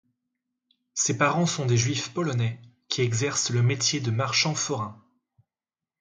Ses parents sont des Juifs polonais qui exercent le métier de marchands forains.